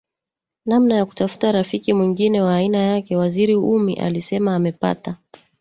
namna ya kutafuta rafiki mwingine wa aina yake Waziri Ummy alisema amepata